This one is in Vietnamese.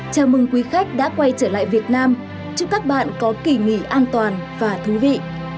chào mừng quý khách đã quay trở lại việt nam chúc các bạn có kỳ nghỉ an toàn và thú vị